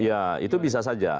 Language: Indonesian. ya itu bisa saja